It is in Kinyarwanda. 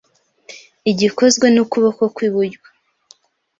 igikozwe n’ukuboko kw’iburyo